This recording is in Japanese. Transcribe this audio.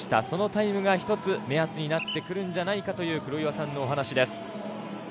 そのタイムが、１つ目安になるんじゃないかという黒岩さんのお話です。